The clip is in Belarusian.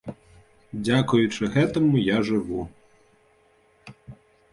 Дзякуючы гэтаму я жыву.